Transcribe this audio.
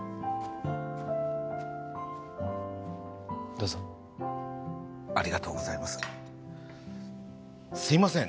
どうぞありがとうございますすいません